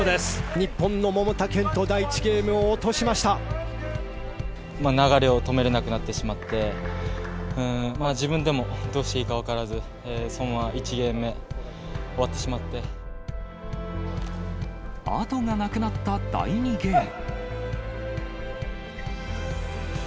日本の桃田賢斗、流れを止めれなくなってしまって、自分でもどうしていいか分からず、そのまま１ゲーム目、後がなくなった第２ゲーム。